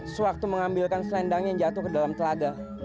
sewaktu mengambilkan selendang yang jatuh ke dalam telaga